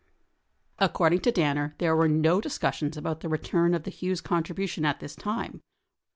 According to Danner, there were no discussions about the return of the Hughes contribution at this time.